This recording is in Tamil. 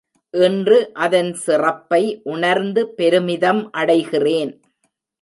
இன்று அதன் சிறப்பை உணர்ந்து பெருமிதம் அடைகிறேன்.